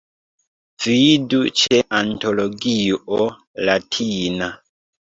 Vidu ĉe Antologio Latina.